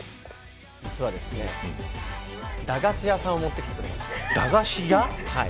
実は、駄菓子屋さんを持ってきてくれました。